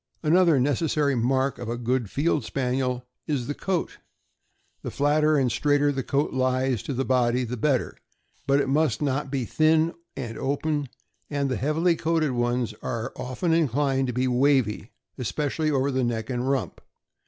Another necessary "mark" of a good Field Spaniel is the coat. The flatter and straighter the coat lies to the body the better, but it must not be thin and open, and the heavily coated ones are often inclined to be wavy, especially over the neck and rump.